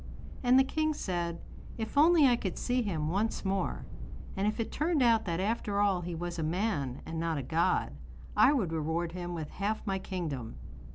And the king said: 'If only I could see him once more, and if it turned out that after all he was a man and not a god, I would reward him with half my kingdom.